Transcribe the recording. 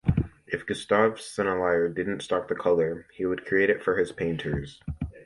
If Gustave Sennelier didn't stock the color, he would create it for his painters.